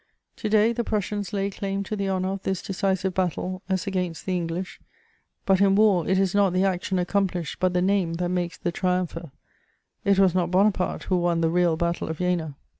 To day, the Prussians lay claim to the honour of this decisive battle, as against the English; but in war it is not the action accomplished but the name that makes the triumpher: it was not Bonaparte who won the real Battle of Jena.